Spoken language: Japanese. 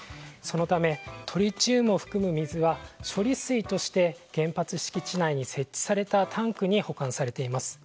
そのため、トリチウムを含む水は処理水として原発敷地内に設置されたタンクに保管されています。